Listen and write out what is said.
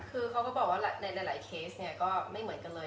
คือเขาก็บอกว่าในหลายเคสเนี่ยก็ไม่เหมือนกันเลย